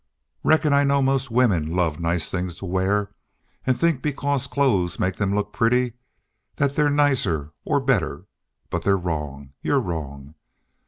Reckon I know most women love nice things to wear an' think because clothes make them look pretty that they're nicer or better. But they're wrong. You're wrong.